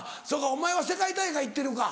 お前は世界大会行ってるか。